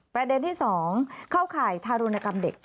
ประเด็นที่๒เข้าข่ายทารุณกรรมเด็ก